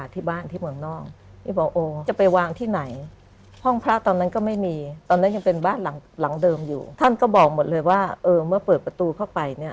แทงไม่เข้าหรอฮะ